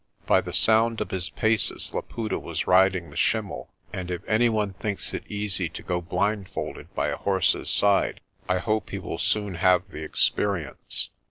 By the sound of his paces Laputa was riding the schlmmel^ and if any one thinks it easy to go blindfolded by a horse's side I hope he will soon have the experience.